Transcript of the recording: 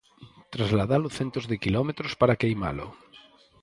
Trasladalo centos de quilómetros para queimalo.